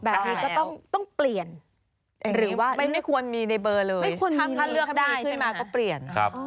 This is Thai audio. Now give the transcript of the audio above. แบบนี้ก็ต้องเปลี่ยนหรือว่าไม่ควรมีในเบอร์เลยถ้าเลือกได้ขึ้นมาก็เปลี่ยน